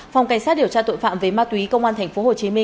phòng cảnh sát điều tra tội phạm về ma túy công an tp hcm